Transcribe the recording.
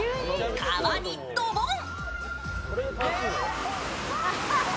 川にドボン。